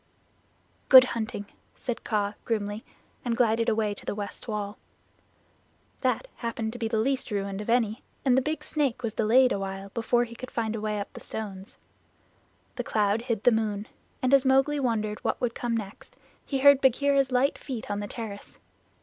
"Good hunting," said Kaa grimly, and glided away to the west wall. That happened to be the least ruined of any, and the big snake was delayed awhile before he could find a way up the stones. The cloud hid the moon, and as Mowgli wondered what would come next he heard Bagheera's light feet on the terrace.